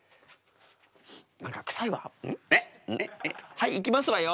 はいいきますわよ。